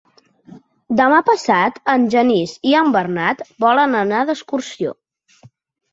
Demà passat en Genís i en Bernat volen anar d'excursió.